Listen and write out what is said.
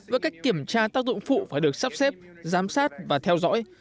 và cách kiểm tra tác dụng phụ phải được sắp xếp giám sát và theo dõi